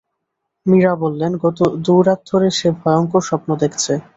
মীরা বললেন, গত দু রাত ধরে সে ভয়ংকর স্বপ্ন দেখছে।